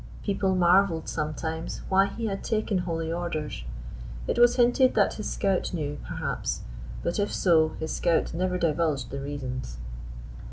People marvelled sometimes why he had taken Holy Orders. It was hinted that his scout knew, perhaps; but, if so, his scout never divulged the reasons.